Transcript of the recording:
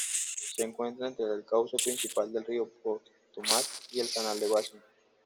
Se encuentra entre el cauce principal del río Potomac y el Canal de Washington.